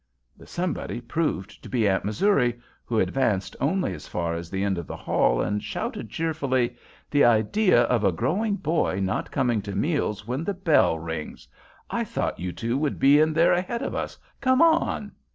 The somebody proved to be Aunt Missouri, who advanced only as far as the end of the hall and shouted cheerfully: "The idea of a growing boy not coming to meals when the bell rings! I thought you two would be in there ahead of us. Come on."